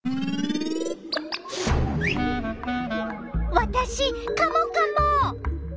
わたしカモカモ！